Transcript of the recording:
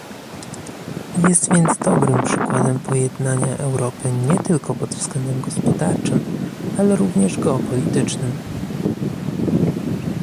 Jest więc dobrym przykładem pojednania Europy nie tylko pod względem gospodarczym, ale również geopolitycznym